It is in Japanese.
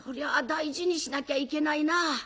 大事にしなきゃいけないな。